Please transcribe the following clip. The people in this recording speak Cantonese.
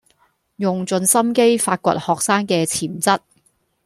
用盡心機發掘學生既潛質